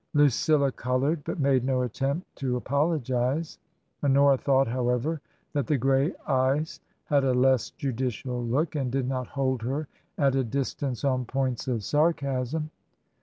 Lucilla coloured, but made no attempt to apologize. Honora thought, however, that the grey eyes had a less judicial look and did not hold her at a distance on points of sarcasm.